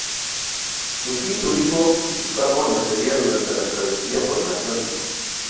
Su quinto hijo, Gustavo, nacería durante la travesía por el Atlántico.